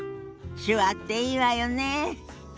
手話っていいわよねえ。